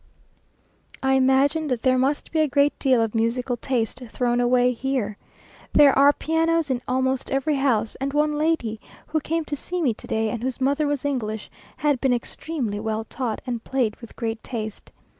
I imagine that there must be a great deal of musical taste thrown away here. There are pianos in almost every house, and one lady, who came to see me to day, and whose mother was English, had been extremely well taught, and played with great taste.